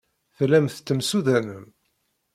Tellam tettemsudanem?